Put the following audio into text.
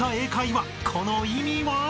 この意味は？］